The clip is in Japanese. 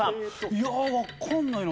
いやあわかんないな。